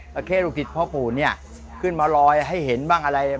ตะเข้ลูกฤทธิ์พ่อปู่นี่ขึ้นมาลอยให้เห็นบ้างอะไรบ้าง